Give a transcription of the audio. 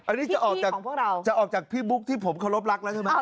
อันนี้จะออกจากพี่บุ๊คที่ผมโครบรักแล้วใช่ไหมพี่บุ๊คที่ผมโครบรักแล้วใช่ไหม